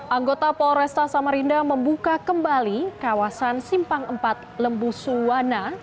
anggota polresta samarinda membuka kembali kawasan simpang empat lembusuwana